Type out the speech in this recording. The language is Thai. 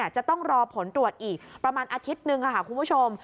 จะต้องรอผลตรวจอีกประมาณอาทิตย์หนึ่งค่ะคุณผู้ชม